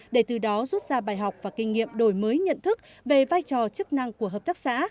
để từ đó rút ra bài học và kinh nghiệm đổi mới nhận thức về vai trò chức năng của hợp tác xã